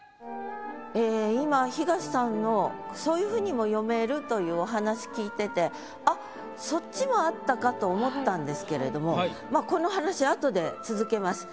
ええ今東さんのそういうふうにも読めるというお話聞いててあっと思ったんですけれどもまあこの話あとで続けます。